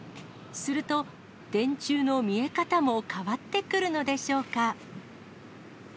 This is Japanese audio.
すると、電柱の見え方も変わってくるのでしょうか。